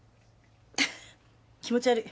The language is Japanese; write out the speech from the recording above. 気持ち悪い。